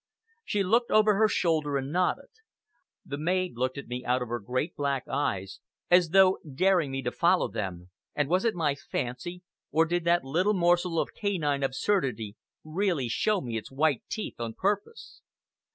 She looked over her shoulder and nodded. The maid looked at me out of her great black eyes, as though daring me to follow them, and, was it my fancy, or did that little morsel of canine absurdity really show me its white teeth on purpose?